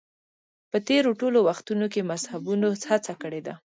په تېرو ټولو وختونو کې مذهبيونو هڅه کړې ده.